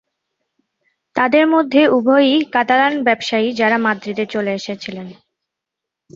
তাদের মধ্যে উভয়ই কাতালান ব্যবসায়ী যারা মাদ্রিদে চলে এসেছিলেন।